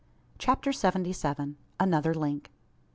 CHAPTER SEVENTY SEVEN. ANOTHER LINK.